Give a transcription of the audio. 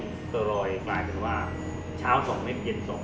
มันประกอบกันแต่ว่าอย่างนี้แห่งที่